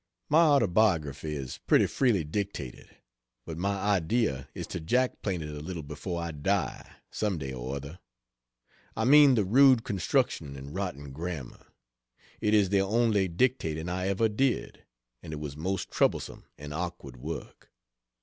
My Autobiography is pretty freely dictated, but my idea is to jack plane it a little before I die, some day or other; I mean the rude construction and rotten grammar. It is the only dictating I ever did, and it was most troublesome and awkward work.